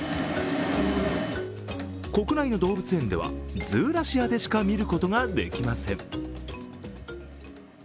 国内の動物園では、ズーラシアでしか見ることができません。